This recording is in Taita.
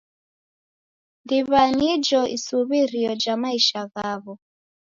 Ndiw'a nijo isuw'irio ja maisha ghaw'o.